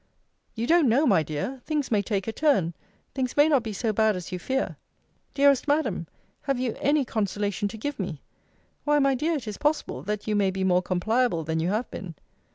You don't know, my dear! Things may take a turn things may not be so bad as you fear Dearest Madam, have you any consolation to give me? Why, my dear, it is possible, that you may be more compliable than you have been.